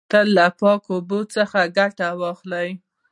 تل له پاکو اوبو څخه ګټه واخلی.